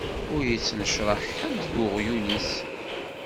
Ur yettnecṛaḥ ḥedd d uɣyul-is.